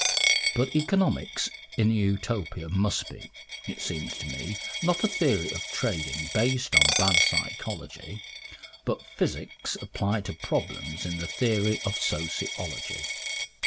But economics in Utopia must be, it seems to me, not a theory of trading based on bad psychology, but physics applied to problems in the theory of sociology.